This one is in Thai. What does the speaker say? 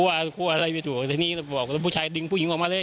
คั่วคั่วอะไรวิดีโอแต่นี่บอกพวกผู้ชายดึงผู้หญิงออกมาเลย